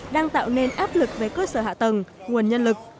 đang tạo nên áp lực về cơ sở hạ tầng nguồn nhân lực